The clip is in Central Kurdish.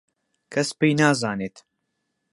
کەس پێ نازانێت.